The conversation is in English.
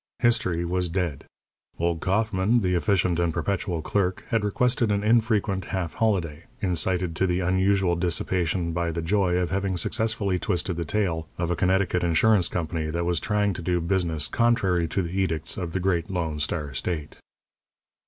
History was dead. Old Kauffman, the efficient and perpetual clerk, had requested an infrequent half holiday, incited to the unusual dissipation by the joy of having successfully twisted the tail of a Connecticut insurance company that was trying to do business contrary to the edicts of the great Lone Star State.